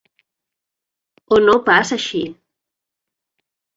O no pas així.